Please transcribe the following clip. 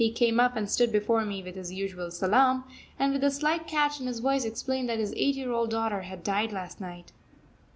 He came up and stood before me with his usual salaam, and with a slight catch in his voice explained that his eight year old daughter had died last night.